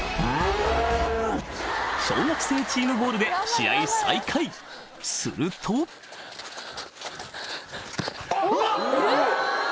小学生チームボールで試合再開するとあっうわ！